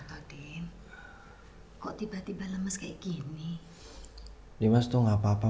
kok tiba tiba lemes kayak gini dimas tuh nggak papa mbak